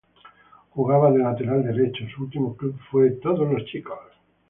Jugaba de Lateral derecho, su último club fue All Boys.